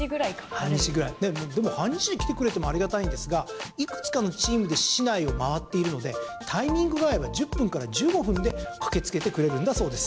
半日で来てくれてもありがたいんですがいくつかのチームで市内を回っているのでタイミングが合えば１０分、１５分で駆けつけてくれるんだそうです。